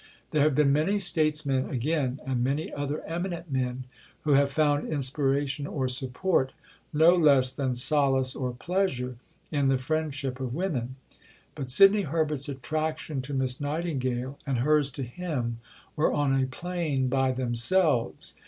There have been many statesmen, again, and many other eminent men, who have found inspiration or support, no less than solace or pleasure, in the friendship of women. But Sidney Herbert's attraction to Miss Nightingale, and hers to him, were on a plane by themselves.